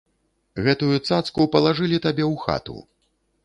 Гэтую цацку палажылі табе ў хату!